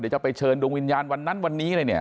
เดี๋ยวจะไปเชิญดวงวิญญาณวันนั้นวันนี้เลยเนี่ย